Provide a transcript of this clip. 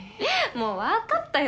もう分かったよ